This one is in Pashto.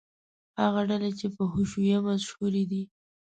هغه ډلې چې په حشویه مشهورې دي.